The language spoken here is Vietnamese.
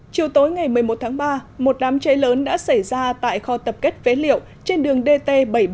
chiều tối ngày một mươi một tháng ba một đám cháy lớn đã xảy ra tại kho tập kết phế liệu trên đường dt bảy trăm bốn mươi bảy